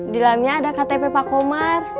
di dalamnya ada ktp pak komar